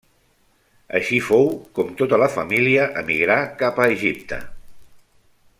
Així fou com tota la família emigrà cap a Egipte.